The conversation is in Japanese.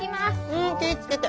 うん気ぃ付けて。